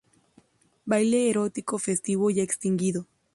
Baile erótico festivo, ya extinguido.